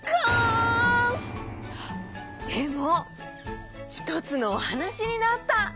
でもひとつのおはなしになった！